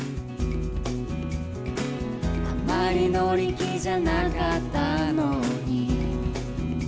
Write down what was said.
「あんまり乗り気じゃなかったのに」